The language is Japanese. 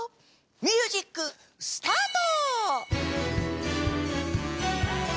ミュージックスタート！